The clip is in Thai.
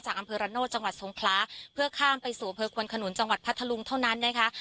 อำเภอระโนธจังหวัดทรงคลาเพื่อข้ามไปสู่อำเภอควนขนุนจังหวัดพัทธลุงเท่านั้นนะคะ